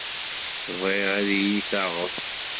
Bɣiɣ ad iyi-taɣeḍ.